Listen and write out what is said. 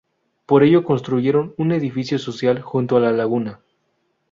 Por ello construyeron un edificio social junto a la Laguna.